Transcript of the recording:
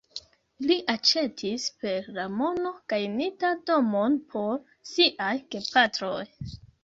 Li aĉetis, per la mono gajnita, domon por siaj gepatroj.